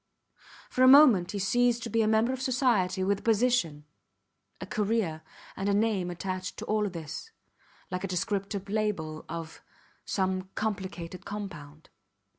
For a moment he ceased to be a member of society with a position, a career, and a name attached to all this, like a descriptive label of some complicated compound.